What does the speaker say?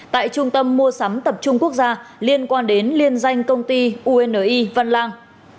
tại trung tâm mua sắm tập trung quốc gia liên quan đến liên danh công ty uni văn lang